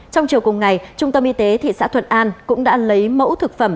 trong chiều cùng ngày trung tâm y tế thị xã thuận an cũng đã lấy mẫu thực phẩm